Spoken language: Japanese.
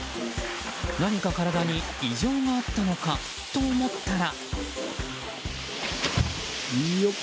何か体に異常があったのかと思ったら。